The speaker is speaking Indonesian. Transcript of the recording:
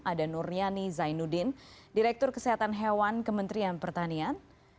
ada nur yani zainuddin direktur kesehatan hewan kementerian pertanian